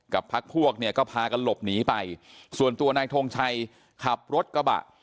พักพวกเนี่ยก็พากันหลบหนีไปส่วนตัวนายทงชัยขับรถกระบะ